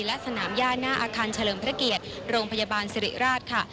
และสนามย่าหน้าอาคารเฉลิมพระเกียรติโรงพยาบาลสิริราชค่ะ